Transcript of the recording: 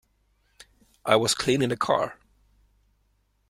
I was cleaning the car.